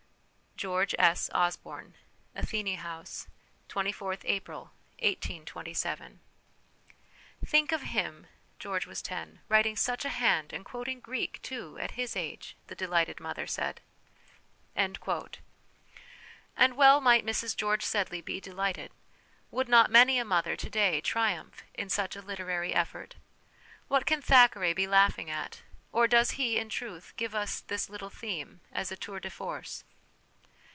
GEORGE S. OSBORNE. "' ATHENA HOUSE, 24 April 1827.' "'Think of him' (George was 10) 'writing such a hand, and quoting Greek too, at his age/ the delighted mother said." And well might Mrs George Sedley be delighted. Would not many a mother to day triumph in such a literary effort? What can Thackeray be laughing at? Or does he, in truth, give us this little ' theme ' as a tour deforce